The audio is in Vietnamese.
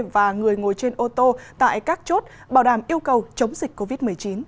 và người ngồi trên ô tô tại các chốt bảo đảm yêu cầu chống dịch covid một mươi chín